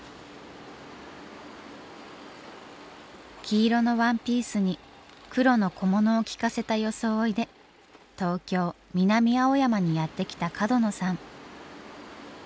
黄色のワンピースに黒の小物をきかせた装いで東京・南青山にやって来た角野さん。